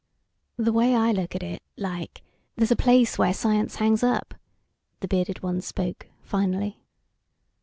"The way I look at it, like, there's a place where science hangs up," the bearded one spoke, finally.